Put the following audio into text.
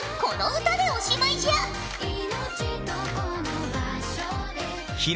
この歌でおしまいじゃ。